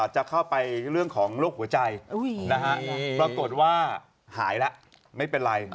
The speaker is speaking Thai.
จะเข้าไปเรื่องของโรคหัวใจ